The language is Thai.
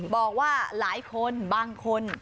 บอกว่าหลายคนบางคน